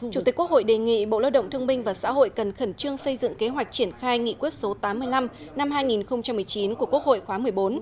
chủ tịch quốc hội đề nghị bộ lao động thương minh và xã hội cần khẩn trương xây dựng kế hoạch triển khai nghị quyết số tám mươi năm năm hai nghìn một mươi chín của quốc hội khóa một mươi bốn